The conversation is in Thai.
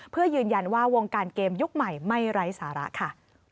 เพื่อยืนยันว่าวงการเกมยุคใหม่ไม่ไร้สาระค่ะ